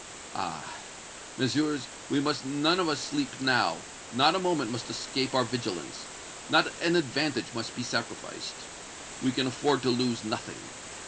Ah! Messieurs, we must none of us sleep now! Not a moment must escape our vigilance! Not an advantage must be sacrificed! We can afford to lose nothing!